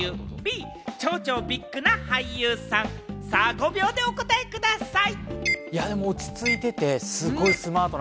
５秒でお答えください。